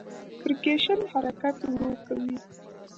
فریکشن حرکت ورو کوي.